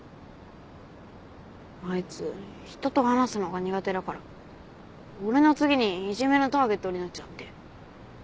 あいつひとと話すのが苦手だから俺の次にいじめのターゲットになっちゃって。